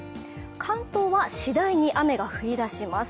関東はしだいに雨が降り出します。